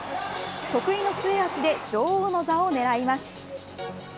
得意の末脚で女王の座を狙います。